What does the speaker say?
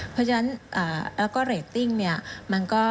เพราะฉะนั้นและก็เรตติ้ง